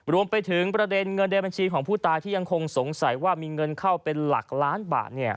รวมไปถึงประเด็นเงินในบัญชีของผู้ตายที่ยังคงสงสัยว่ามีเงินเข้าเป็นหลักล้านบาท